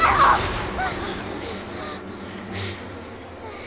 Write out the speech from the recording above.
ああ！